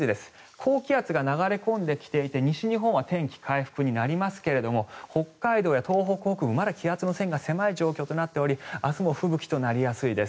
高気圧が流れ込んできていて西日本は天気回復になりますが北海道や東北北部まだ気圧の線が狭い状況となっており明日も吹雪となりやすいです。